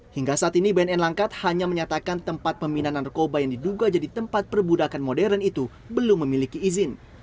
hingga saat ini bnn langkat hanya menyatakan tempat pemindahan narkoba yang diduga jadi tempat perbudakan modern itu belum memiliki izin